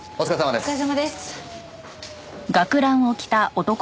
お疲れさまです。